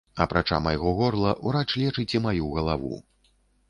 Апрача майго горла ўрач лечыць і маю галаву.